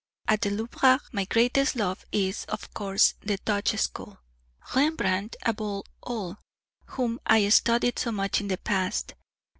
At the Louvre my greatest love is, of course, the Dutch school, Rembrandt above all, whom I studied so much in the past.